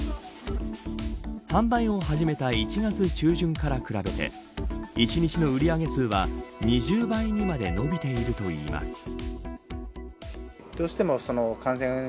販売を始めた１月中旬から比べて１日の売り上げ数は２０倍にまで伸びているといいます。